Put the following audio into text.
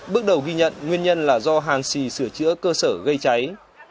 bước đầu ghi nhận nguyên nhân là do hàng xì sửa chữa cơ sở gây cháy